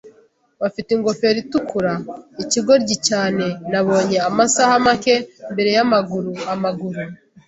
bafite ingofero itukura - ikigoryi cyane nabonye amasaha make mbere yamaguru-amaguru